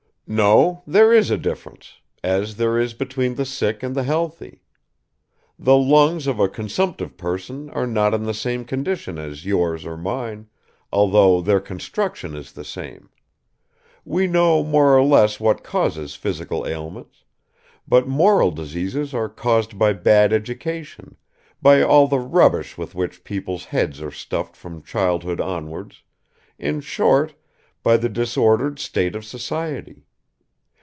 "No, there is a difference, as there is between the sick and the healthy. The lungs of a consumptive person are not in the same condition as yours or mine, although their construction is the same. We know more or less what causes physical ailments; but moral diseases are caused by bad education, by all the rubbish with which people's heads are stuffed from childhood onwards, in short, by the disordered state of society.